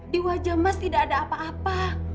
di wajah emas tidak ada apa apa